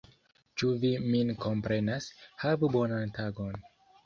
Ĉu vi min komprenas? Havu bonan tagon!